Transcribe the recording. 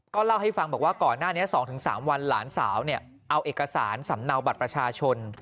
เล่าให้ฟังบอกว่าก่อนหน้านี้๒๓วันหลานสาวเอาเอกสารสำเนาบัตรประชาชน